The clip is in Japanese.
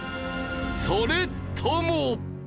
それとも。